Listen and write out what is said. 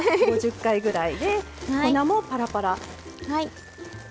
５０回ぐらいで粉も、ぱらぱら。